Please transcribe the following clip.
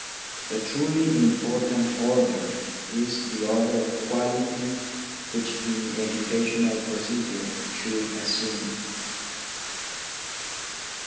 The truly important order is the order of quality which the educational procedure should assume.